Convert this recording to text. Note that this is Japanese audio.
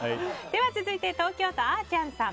続いて、東京都の方。